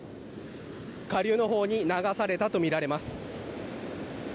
下流の方に流されたとみられます。